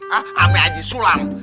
hah sama aji sulam